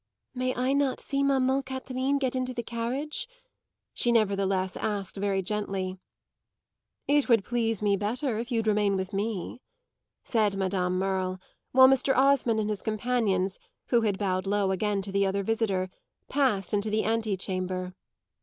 "May I not see mamman Catherine get into the carriage?" she nevertheless asked very gently. "It would please me better if you'd remain with me," said Madame Merle, while Mr. Osmond and his companions, who had bowed low again to the other visitor, passed into the ante chamber.